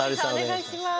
お願いします